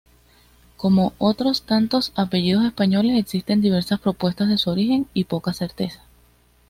Como otros tantos apellidos españoles existen diversas propuestas de su origen, y poca certeza.